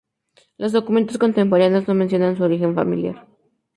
Los documentos contemporáneos no mencionan su origen familiar.